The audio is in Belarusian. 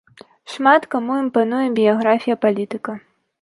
Шмат каму імпануе біяграфія палітыка.